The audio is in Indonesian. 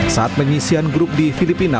saat pengisian grup di filipina